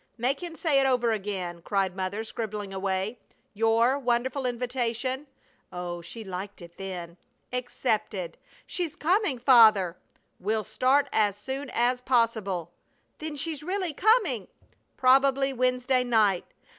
Make him say it over again!" cried Mother, scribbling away. "'Your wonderful invitation (Oh, she liked it, then!) accepted' She's coming, Father!" "Will start as soon as possible!" ("Then she's really coming!") "Probably Wednesday night."